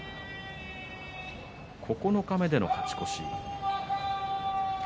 九日目での勝ち越し。